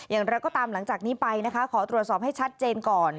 อย่างไรก็ตามหลังจากนี้ไปนะคะขอตรวจสอบให้ชัดเจนก่อน